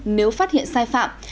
nếu phát hiện sai phạm